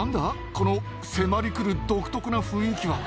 この迫りくる独特な雰囲気は。